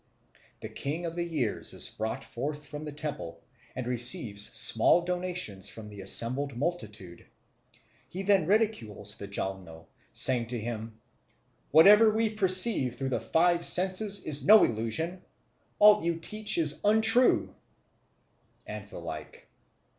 The King of the Years is brought forth from the temple and receives small donations from the assembled multitude. He then ridicules the Jalno, saying to him, "What we perceive through the five senses is no illusion. All you teach is untrue," and the like.